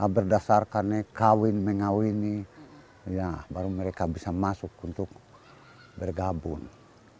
berdasarkan kawin mengawini baru mereka bisa masuk untuk bergabung